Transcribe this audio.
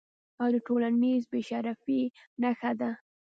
دا د ټولنیز بې شرفۍ نښه ده.